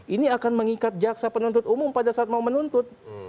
ini akan mengikat jaksa penuntut umum pada saat mau menuntut